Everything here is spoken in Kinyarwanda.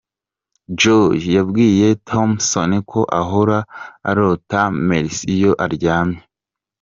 Joy yabwiye Thompson ko ahora arota Mercy iyo aryamye.